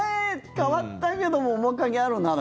変わったけども面影あるな！